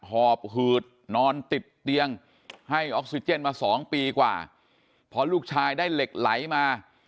หอบหืดนอนติดเตียงให้ออกซิเจนมาสองปีกว่าพอลูกชายได้เหล็กไหลมา